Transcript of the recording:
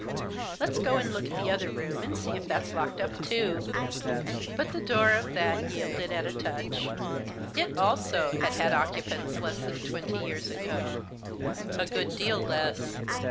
" Let's go and look at the other room and see if that's locked up too." But the door of that yielded at a touch. It, also, had had occupants less than twenty years ago — a good deal less.